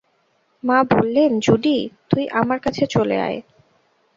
মা বললেন, জুডি, তুই আমার কাছে চলে আয়।